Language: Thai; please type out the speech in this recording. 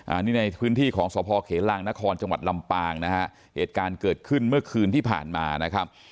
อันนี้ในพื้นที่ของสพเขลางนครจังหวัดลำปางนะฮะเหตุการณ์เกิดขึ้นเมื่อคืนที่ผ่านมานะครับ